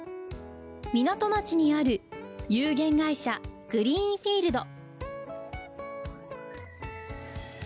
港町にある有限会社グリーンフィールド。